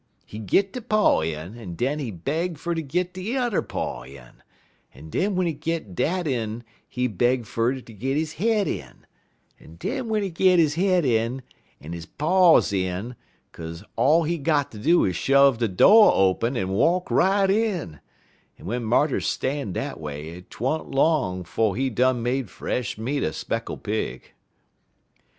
He git de paw in, en den he beg fer ter git de yuther paw in, en den w'en he git dat in he beg fer ter git he head in, en den w'en he git he head in, en he paws in, co'se all he got ter do is ter shove de do' open en walk right in; en w'en marters stan' dat way, 't wa'n't long 'fo' he done make fresh meat er Speckle Pig.